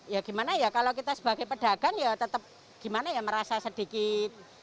ya gimana ya kalau kita sebagai pedagang ya tetap gimana ya merasa sedikit